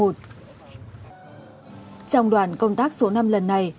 trong đoàn công tác số năm lần này